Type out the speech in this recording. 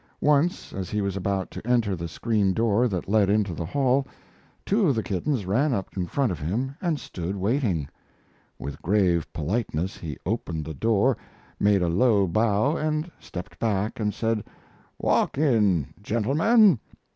Once, as he was about to enter the screen door that led into the hall, two of the kittens ran up in front of him and stood waiting. With grave politeness he opened the door, made a low bow, and stepped back and said: "Walk in, gentlemen.